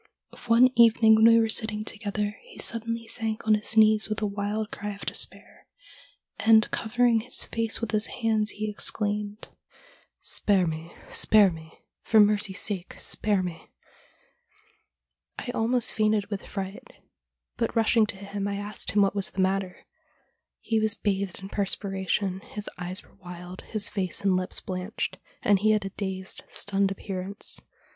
One evening when we were sitting together he suddenly sank on his knees with a wild cry of despair, and covering his face with his hands he exclaimed :" Spare me, spare me, for mercy's sake spare me!" I almost fainted with .fright, but rushing to him I asked him what was the matter. He was bathed in perspiration, his eyes were wild, his face and lips blanched, and he had a dazed, stunned appearance.